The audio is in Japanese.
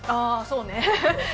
そうね！